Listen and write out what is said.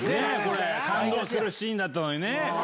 感動するシーンだったのにね。